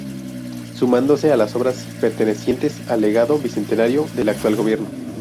Sumándose a las obras pertenecientes al legado Bicentenario del actual gobierno.